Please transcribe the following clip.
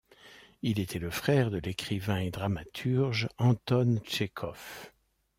Il était le frère de l'écrivain et dramaturge Anton Tchekhov.